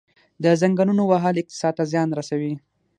د ځنګلونو وهل اقتصاد ته زیان رسوي؟